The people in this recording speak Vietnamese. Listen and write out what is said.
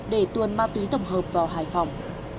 để tuôn ma túy tổng hợp vào hải phòng